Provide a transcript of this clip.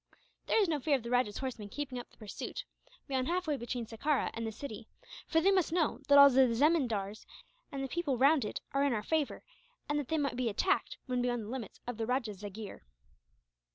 "There is no fear of the rajah's horsemen keeping up the pursuit, beyond halfway between Sekerah and the city; for they must know that all the zemindars and people round it are in our favour, and that they might be attacked, when beyond the limits of the rajah's jagheer."